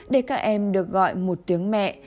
để các em được gọi một tiếng mẹ